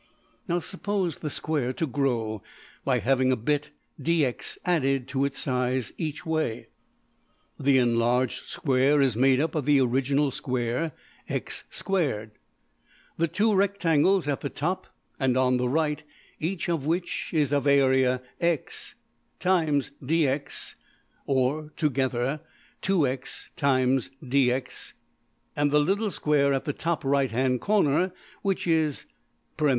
Now suppose the square to grow by having a bit~$dx$ added to its size each \DPPageSep{019.png}% way. The enlarged square is made up of the original square~$x^2$, the two rectangles at the top and on the right, each of which is of area $x · dx$ (or together $2x · dx$), and the little square at the top right hand corner which is~$(dx)^2$.